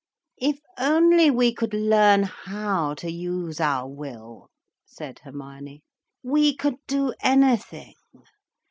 "If only we could learn how to use our will," said Hermione, "we could do anything.